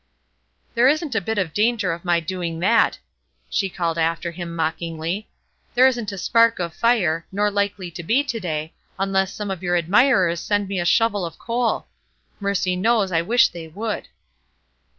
"There isn't a bit of danger of my doing that," she called after him, mockingly. "There isn't a spark of fire, nor likely to be to day, unless some of your admirers send me a shovel of coal. Mercy knows, I wish they would."